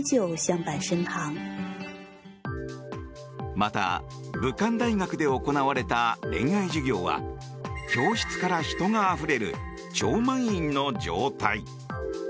また、武漢大学で行われた恋愛授業は教室から人があふれる超満員の状態。